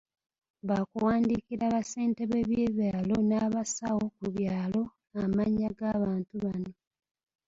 Baakuwandiikira bassentebe b’ebyalo n’abasawo ku byalo amannya g’abantu bano.